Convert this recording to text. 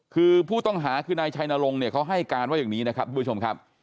คือผู้ต้องหาคือนายชัยนรงค์เนี่ยเขาให้การว่าอย่างนี้นะครับทุกผู้ชมครับ